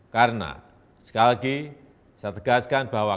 karena sekali lagi saya tegaskan bahwa